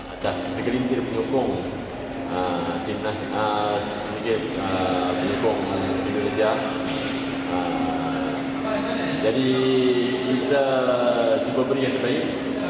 atas segelintir penyokong tim malaysia jadi kita coba beri yang terbaik